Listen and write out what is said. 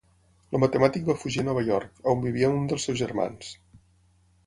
El matemàtic va fugir a Nova York, on vivia un dels seus germans.